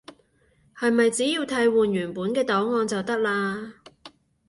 係咪只要替換原本嘅檔案就得喇？